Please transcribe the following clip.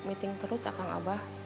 meeting terus kang abah